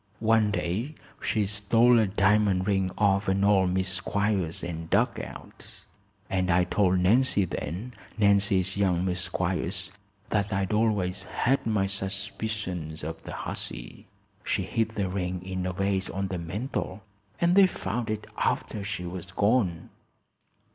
One day she stole a di'mond ring off'n old Miss Squiers and dug out, and I told Nancy then Nancy's young Miss Squiers that I'd always had my suspicions of the hussy. She hid the ring in a vase on the mantle and they found it after she was gone."